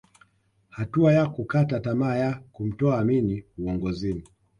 Hatua ya kukata tamaa ya kumtoa Amin uongozini